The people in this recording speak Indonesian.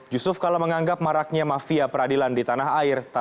yusuf kala menganggap maraknya mafia peradilan di tanah air